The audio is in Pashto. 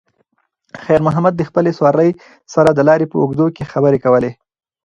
خیر محمد د خپلې سوارلۍ سره د لارې په اوږدو کې خبرې کولې.